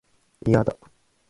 いやだ